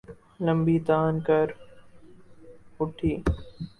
لمبی تان کر اُٹھی